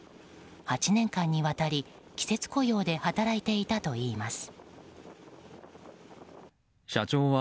８年間にわたり季節雇用で働いていたといいます。